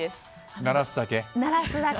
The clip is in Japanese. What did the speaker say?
鳴らすだけ。